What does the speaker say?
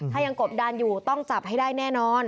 ถ้ายังกบดานอยู่ต้องจับให้ได้แน่นอน